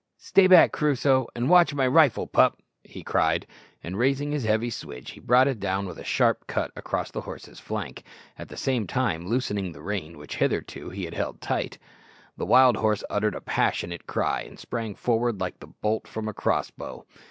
"Stay back, Crusoe, and watch my rifle, pup," he cried, and raising his heavy switch he brought it down with a sharp cut across the horse's flank, at the same time loosening the rein which hitherto he had held tight. The wild horse uttered a passionate cry, and sprang forward like the bolt from a cross bow.